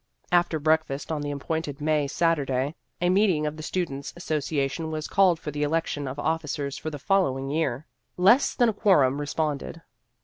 After breakfast on the appointed May Saturday, a meeting of the Students' Association was called for the election of officers for the following year. Less than a quorum responded.